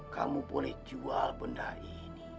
kamu boleh jual benda ini